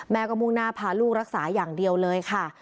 ก็มุ่งหน้าพาลูกรักษาอย่างเดียวเลยค่ะ